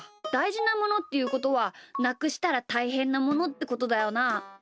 だいじなものっていうことはなくしたらたいへんなものってことだよな。